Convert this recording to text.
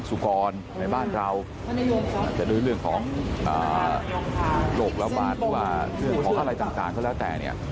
ของสุกรณ์ในบ้านเราหรือเรื่องของโหลกระบาดหรือว่าของอะไรต่างก็แล้วแต่เนี่ย